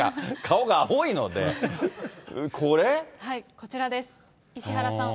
こちらです。